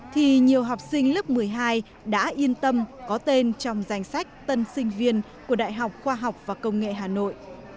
thì nhiều học sinh lớp một mươi hai đã yên tâm có tên trong danh sách tân sinh viên của đại học khoa học và công nghệ hà nội